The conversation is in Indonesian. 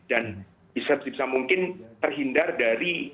dan bisa mungkin terhindar dari